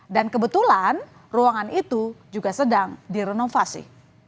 dan kebetulan ruangan itu juga sedang direnovasi